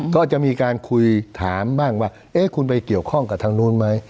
ก็จะมีการคุยถามบ้างว่าคุณไปเกี่ยวข้องกับทางนู้นไหม